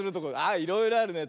あいろいろあるね。